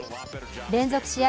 連続試合